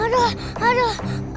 aduh aduh aduh